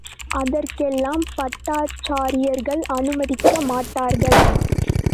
அதற்கெல்லாம் பட்டாச்சாரியார்கள் அனுமதிக்க மாட்டார்கள்.